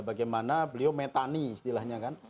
bagaimana beliau metani istilahnya kan